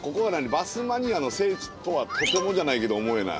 バスマニアの聖地とはとてもじゃないけど思えない。